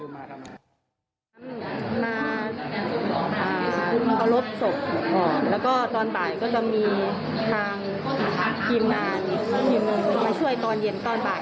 มาเคารพศพแล้วก็ตอนบ่ายก็จะมีทางทีมงานทีมมาช่วยตอนเย็นตอนบ่าย